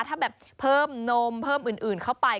ถ้าแบบเพิ่มนมเพิ่มอื่นเข้าไป